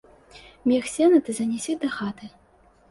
Мех сена ты занясі дахаты.